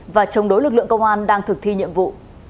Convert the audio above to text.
và chống đối lực lượng công an đang thực thi nhiệm vụ